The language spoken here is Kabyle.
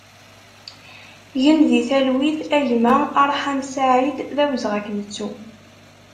Gen di talwit a gma Arḥam Saïd, d awezɣi ad k-nettu!